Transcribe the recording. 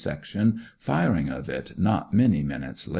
section firing of it not many minutes later.